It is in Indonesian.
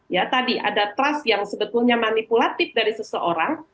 ya tadi ada trust yang sebetulnya manipulatif dari seseorang